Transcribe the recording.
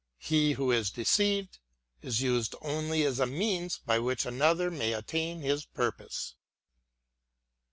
He who is deceived, is used only as a means by which another may attain his purpose.